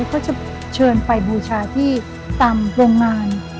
เขาจะเชิญไปบูชาที่ตามโรงงาน